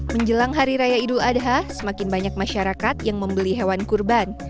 menjelang hari raya idul adha semakin banyak masyarakat yang membeli hewan kurban